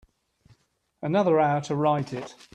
Another hour to write it.